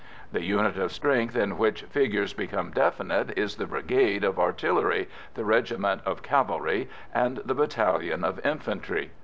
The unit of strength in which figures become definite is the brigade of artillery, the regiment of cavalry, and the battalion of infantry.